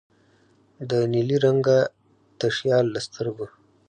د نیلي رنګه تشیال له سترګو